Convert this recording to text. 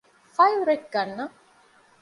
ފައިލް ރެކް ގަންނަން